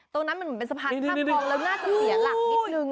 ตรงนั้นมันเหมือนเป็นสะพานข้ามคลองแล้วน่าจะเสียหลักนิดนึง